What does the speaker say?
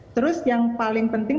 terus yang paling penting